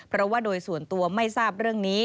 เพราะว่าโดยส่วนตัวไม่ทราบเรื่องนี้